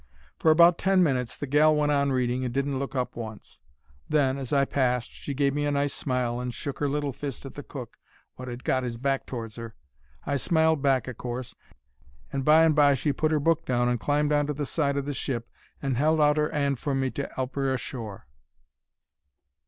"For about ten minutes the gal went on reading and didn't look up once. Then, as I passed, she gave me a nice smile and shook 'er little fist at the cook, wot 'ad got 'is back towards 'er. I smiled back, o' course, and by and by she put her book down and climbed on to the side o' the ship and held out her 'and for me to 'elp her ashore.